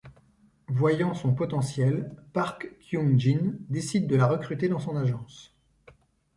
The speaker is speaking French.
Voyant son potentiel, Park Kyung-jin décide de la recruter dans son agence.